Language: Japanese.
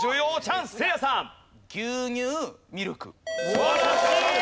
素晴らしい！